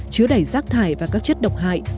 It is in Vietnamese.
chứa đẩy rác thải và các chất độc hại